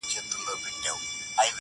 كله، ناكله غلتيږي څــوك غوصه راځـي,